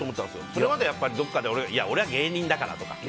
それまではどこかで俺は芸人だから、とかさ。